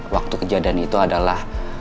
waktu kejadian itu adalah